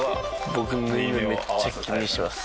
僕縫い目めっちゃ気にします。